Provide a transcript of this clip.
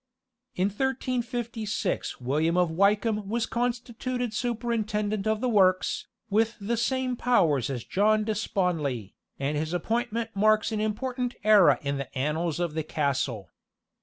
In 1356 WILLIAM OF WYKEHAM was constituted superintendent of the works, with the same powers as John de Sponlee, and his appointment marks an important era in the annals of the castle.